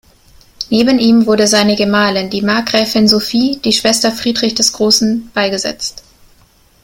Neben ihm wurde seine Gemahlin, die Markgräfin Sophie, die Schwester Friedrichs des Großen, beigesetzt.